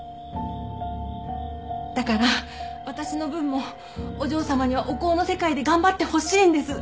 だから私の分もお嬢様にはお香の世界で頑張ってほしいんです。